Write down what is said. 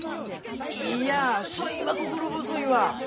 いいやそいは心細いわ。